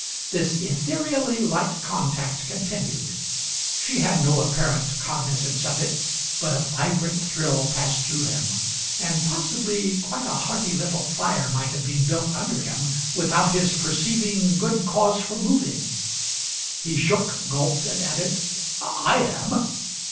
This ethereally light contact continued. She had no apparent cognizance of it, but a vibrant thrill passed through him, and possibly quite a hearty little fire might have been built under him without his perceiving good cause for moving. He shook, gulped, and added: "I am!"